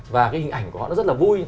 và cái hình ảnh của họ nó rất là vui